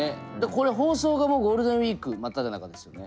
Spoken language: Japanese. これ放送がもうゴールデンウイーク真っただ中ですよね。